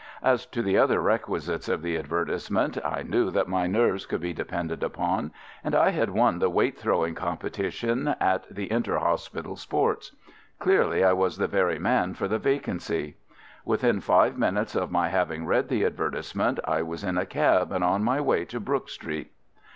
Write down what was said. As to the other requisites of the advertisement, I knew that my nerves could be depended upon, and I had won the weight throwing competition at the inter hospital sports. Clearly, I was the very man for the vacancy. Within five minutes of my having read the advertisement I was in a cab and on my way to Brook Street.